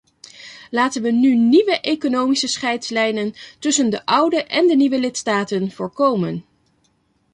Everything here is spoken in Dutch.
Laten we nu nieuwe economische scheidslijnen tussen de oude en de nieuwe lidstaten voorkomen.